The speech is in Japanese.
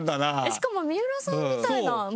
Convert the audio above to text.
しかも水卜さんみたいな丸が。